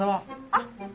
あっ。